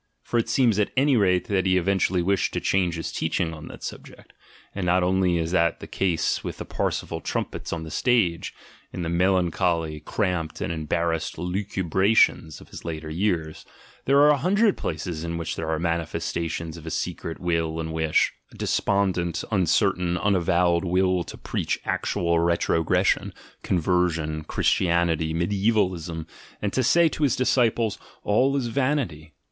For it seems at any rate that he eventually wished to change his teach ing on that subject ... and not only is that the case with the Parsifal trumpets on the stage: in the melancholy, cramped, and embarrassed lucubrations of his later years, there are a hundred places in which there are manifesta tions of a secret wish and will, a despondent, uncertain, unavowed will to preach actual retrogression, conversion, Christianity, medkevalism, and to say to his disciples, "All is vanity!